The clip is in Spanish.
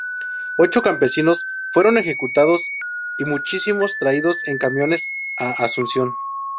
Ocho campesinos fueron ejecutados y muchísimos traídos en camiones a Asunción.